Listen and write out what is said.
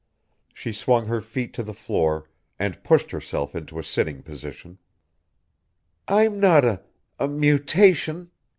She swung her feet to the floor and pushed herself into a sitting position. "I'm not a ... a mutation.